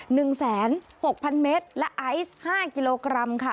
หนึ่งแสนหกพันเมตรและไอซ์ห้ากิโลกรัมค่ะ